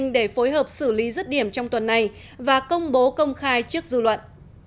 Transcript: để phối hợp xử lý rứt điểm trong tuần này và công bố công khai trước dư luận